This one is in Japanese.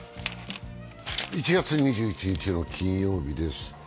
１月２１日の金曜日です。